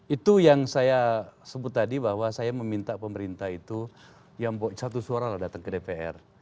itu yang saya sebut tadi bahwa saya meminta pemerintah itu yang satu suara lah datang ke dpr